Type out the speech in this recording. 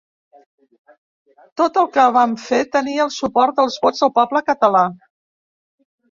Tot el que van fer tenia el suport dels vots del poble català.